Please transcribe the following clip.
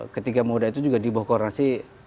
ketiga moda itu juga dibuat koronasi